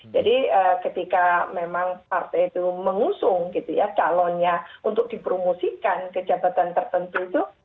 jadi ketika memang partai itu mengusung gitu ya calonnya untuk dipromosikan ke jabatan tertentu itu